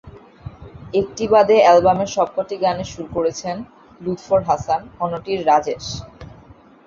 একটি বাদে অ্যালবামের সবকটি গানের সুর করেছেন লুৎফর হাসান, অন্যটির রাজেশ।